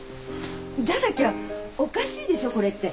じゃなきゃおかしいでしょこれって。